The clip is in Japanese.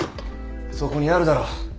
そこにあるだろ。